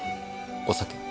お酒。